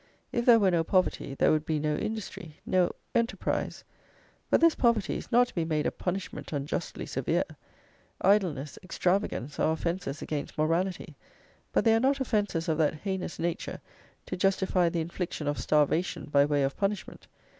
If there were no poverty, there would be no industry, no enterprise. But this poverty is not to be made a punishment unjustly severe. Idleness, extravagance, are offences against morality; but they are not offences of that heinous nature to justify the infliction of starvation by way of punishment.